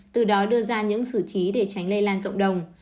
từ đó đưa ra những xử trí để tránh lây lan cộng đồng